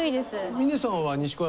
峰さんは西小山。